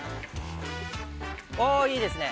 おいいですね！